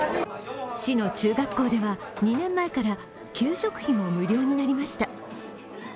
市の中学校では２年前から給食費も無料になりました。